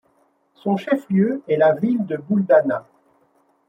Son chef-lieu est la ville de Buldana.